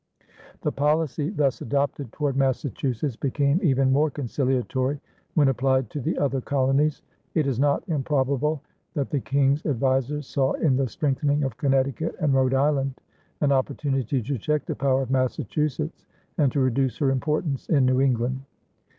The policy thus adopted toward Massachusetts became even more conciliatory when applied to the other colonies. It is not improbable that the King's advisers saw in the strengthening of Connecticut and Rhode Island an opportunity to check the power of Massachusetts and to reduce her importance in New England.